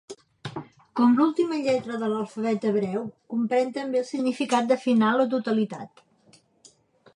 Com l'última lletra de l'alfabet hebreu comprèn també el significat de final o totalitat.